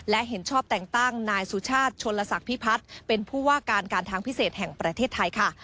และเห็นชอบแต่งตั้งนายสุชาติชนลศักดิ์พิพัฒน์เป็นผู้ว่าการการทางพิเศษแห่งประเทศไทยค่ะ